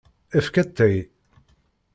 Efk atay.